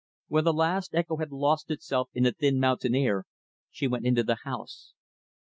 When the last echo had lost itself in the thin mountain air, she went into the house.